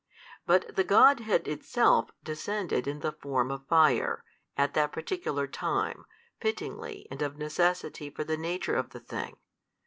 But the Godhead Itself descended in the form of fire, at that particular time, fittingly and of necessity for the nature of the thing.